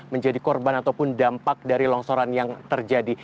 menjadi korban ataupun dampak dari longsoran yang terjadi